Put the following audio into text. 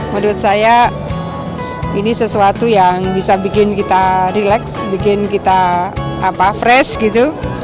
menurut saya ini sesuatu yang bisa bikin kita relax bikin kita fresh gitu